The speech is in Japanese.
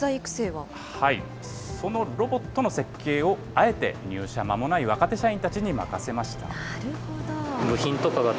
そのロボットの設計を、あえて入社まもない若手社員たちに任せました。